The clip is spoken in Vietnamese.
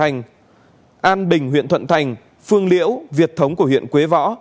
thành an bình huyện thuận thành phương liễu việt thống của huyện quế võ